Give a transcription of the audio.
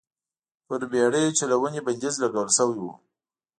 پر بېړۍ چلونې بندیز لګول شوی و.